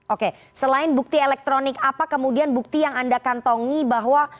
oke selain bukti elektronik apa kemudian bukti yang anda kantongi bahwa